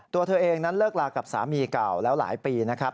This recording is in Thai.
ตัวเธอเองนั้นเลิกลากับสามีเก่าแล้วหลายปีนะครับ